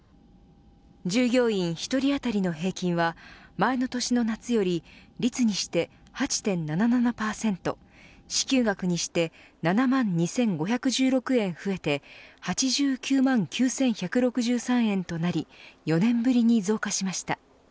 従業員１人当たりの平均は前の年の夏より率にして８．７７％支給額にして７万２５１６円増えて８９万９１６３円となり４年ぶりに増加しました。